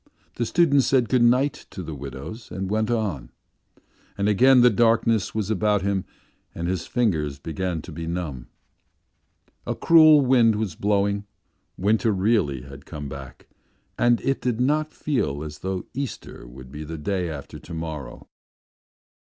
The student said good night to the widows and went on. And again the darkness was about him and his fingers began to be numb. A cruel wind was blowing, winter really had come back and it did not feel as though Easter would be the day after to morrow.